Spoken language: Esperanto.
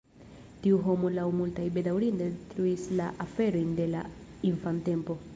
Tiu homo laŭ multaj bedaŭrinde detruis la aferojn de la infantempo.